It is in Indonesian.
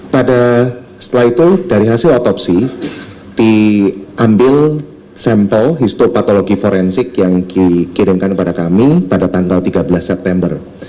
pada setelah itu dari hasil otopsi diambil sampel histopatologi forensik yang dikirimkan kepada kami pada tanggal tiga belas september